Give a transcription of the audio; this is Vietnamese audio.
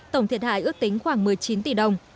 tổng thiệt hại ước tính khoảng một mươi chín tỷ đồng